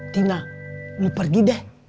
tina lu pergi deh